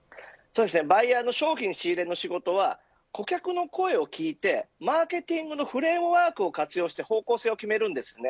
バイヤーの商品仕入れの仕事は顧客の声を聞いてマーケティングのフレームワークを活用して方向性を決めるんです。